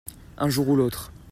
un jour ou l'autre.